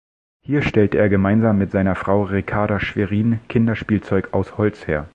Hier stellte er gemeinsam mit seiner Frau Ricarda Schwerin Kinderspielzeug aus Holz her.